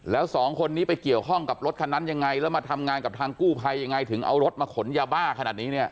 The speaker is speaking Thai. แล้วสองคนนี้ไปเกี่ยวข้องกับรถคันนั้นยังไงแล้วมาทำงานกับทางกู้ภัยยังไงถึงเอารถมาขนยาบ้าขนาดนี้เนี่ย